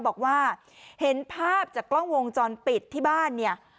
บอกว่าเห็นภาพจากกล้องวงจรปิดที่บ้านเนี่ย